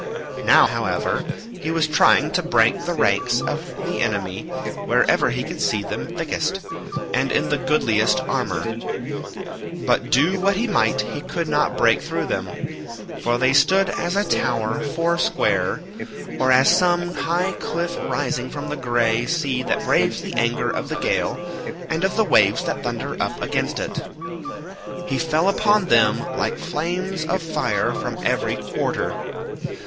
Now, however, he kept trying to break the ranks of the enemy wherever he could see them thickest, and in the goodliest armour; but do what he might he could not break through them, for they stood as a tower foursquare, or as some high cliff rising from the grey sea that braves the anger of the gale, and of the waves that thunder up against it. He fell upon them like flames of fire from every quarter.